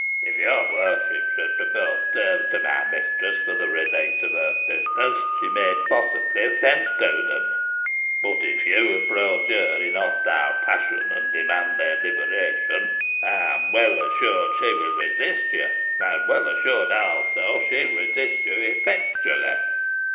If your worship should propose terms to my mistress for the release of her prisoners, she may possibly assent to them; but if you approach her in hostile fashion, and demand their liberation, I am well assured she will resist you, and well assured, also, she will resist you effectually."